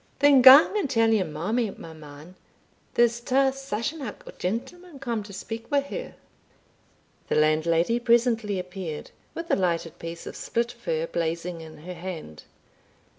"Then gang and tell your mammy, my man, there's twa Sassenach gentlemen come to speak wi' her." The landlady presently appeared, with a lighted piece of split fir blazing in her hand.